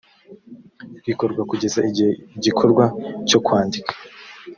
rikorwa kugeza igihe igikorwa cyo kwandika